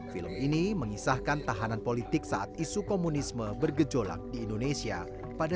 film ini mengisahkan tahanan politik saat isu komunisme bergejolak di indonesia pada seribu sembilan ratus enam puluh lima